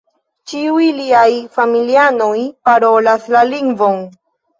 Ĉiuj liaj familianoj parolas la lingvon.